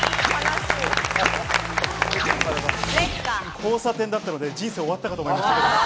交差点だったので、人生終わったかと思いました。